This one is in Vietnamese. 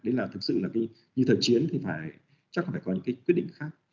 đấy là thực sự là như thời chiến thì phải chắc là phải có những cái quyết định khác